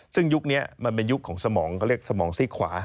ซึ่งยุคนี้มันเป็นยุคของสมองเขาเรียกสมองซี่ขวา